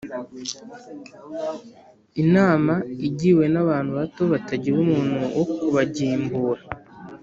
inama igiwe n’abantu bato batagira umuntu wo kubagimbura